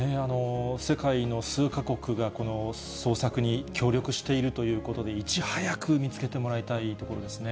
世界の数か国がこの捜索に協力しているということで、いち早く見つけてもらいたいところですね。